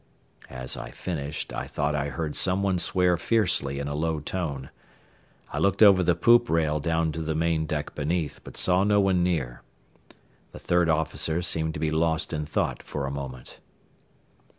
As I finished I thought I heard some one swear fiercely in a low tone. I looked over the poop rail down to the main deck beneath, but saw no one near. The third officer seemed to be lost in thought for a moment.